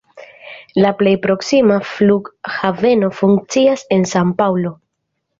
La plej proksima flughaveno funkcias en San-Paŭlo.